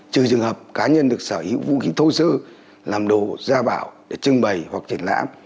trừ trường hợp cá nhân được sở hữu vũ khí thô sơ làm đồ gia bảo để trưng bày hoặc triển lãm